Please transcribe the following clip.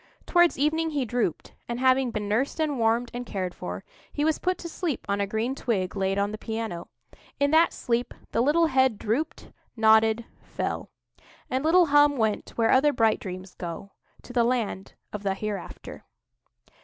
Towards evening he drooped; and, having been nursed and warmed and cared for, he was put to sleep on a green twig laid on the piano. In that sleep the little head drooped—nodded—fell; and little Hum went where other bright dreams go—to the Land of the Hereafter.